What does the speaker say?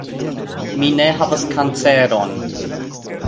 Mi ne havas kanceron.